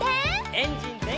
エンジンぜんかい！